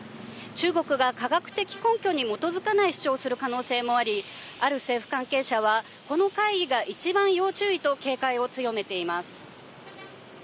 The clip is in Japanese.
中国が科学的根拠に基づかない主張をする可能性もあり、ある政府関係者はこの会議が一番要注意と警戒を強めています。